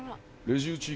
レジ打ち。